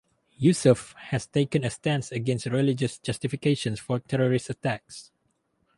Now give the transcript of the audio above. Yusuf has taken a stance against religious justifications for terrorist attacks.